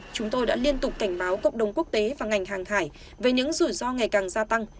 chúng tôi đã liên tục cảnh báo cộng đồng quốc tế và ngành hàng hải về những rủi ro ngày càng gia tăng